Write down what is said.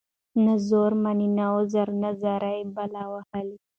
نه زور مــني نه عـذر نـه زارۍ بلا وهـلې.